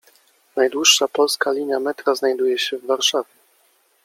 Najdłuższa polska linia metra znajduje się w Warszawie.